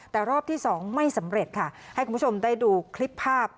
แต่รอบที่๒ไม่สำเร็จค่ะให้คุณผู้ชมได้ดูคลิปภาพ